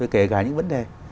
kể cả những vấn đề